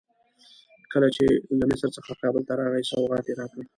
کله چې له مصر څخه کابل ته راغی سوغات یې راکړ.